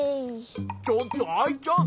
ちょっとアイちゃん！